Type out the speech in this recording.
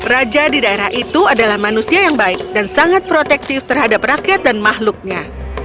raja di daerah itu adalah manusia yang baik dan sangat protektif terhadap rakyat dan makhluknya